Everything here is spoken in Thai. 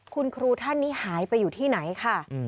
คุณครูท่านนี้หายไปอยู่ที่ไหนค่ะ